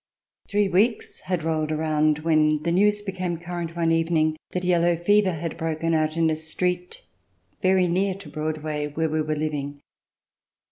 Three weeks had rolled around when the news became current one evening that yellow fever had broken out in a street very near to Broadway, where we were living.